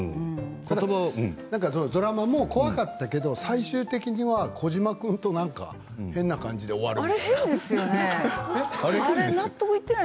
ドラマも怖かったけれど最終的にはこじま君となんか変な感じで終わる。